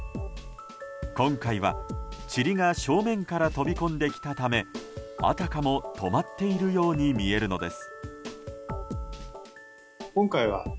今回は、ちりが正面から飛び込んできたためあたかも止まっているように見えるのです。